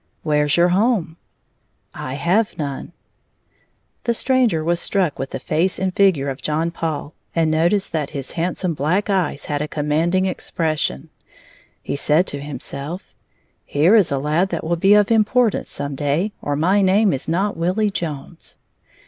"Where's your home?" "I have none." The stranger was struck with the face and figure of John Paul and noticed that his handsome black eyes had a commanding expression. He said to himself: "Here is a lad that will be of importance some day, or my name is not Willie Jones!"